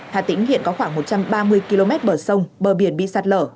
hà tĩnh hiện có khoảng một trăm ba mươi km bờ sông bờ biển bị sạt lở